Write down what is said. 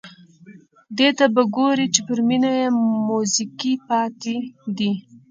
دې ته به ګوري چې پر مېنه یې موزیګی پاتې دی.